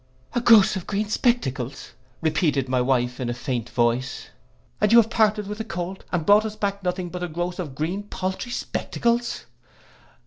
'—'A groce of green spectacles!' repeated my wife in a faint voice. 'And you have parted with the Colt, and brought us back nothing but a groce of green paltry spectacles!